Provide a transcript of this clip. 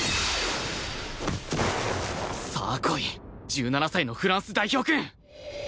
さあ来い１７歳のフランス代表くん！